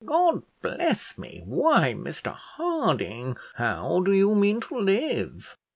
"God bless me! Why, Mr Harding, how do you mean to live?"